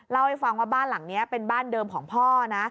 เล่าให้ฟังว่าบ้านหลังนี้เป็นบ้านเดิมของพ่อนะ